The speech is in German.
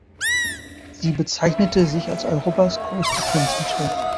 Sie bezeichnete sich als „Europas größte Filmzeitschrift“.